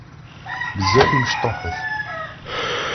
Bezzaf i mecṭuḥet.